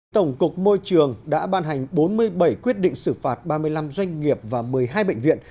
tổng cục môi trường đã ban hành bốn mươi bảy quyết định xử phạt ba mươi năm doanh nghiệp và một mươi hai bệnh viện